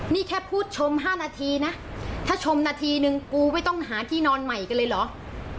นี่แค่พูดชม๕นาทีนะถ้าชมนาทีนึงกูไม่ต้องหาที่นอนใหม่กันเลยเหรอ